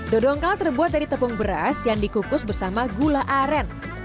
dodongkal terbuat dari tepung beras yang dikukus bersama gula aren